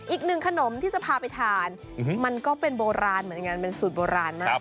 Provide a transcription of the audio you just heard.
อีกหนึ่งขนมที่จะพาไปทานมันก็เป็นโบราณเหมือนกันเป็นสูตรโบราณมาก